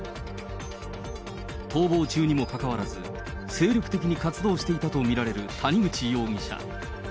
逃亡中にもかかわらず、精力的に活動していたと見られる谷口容疑者。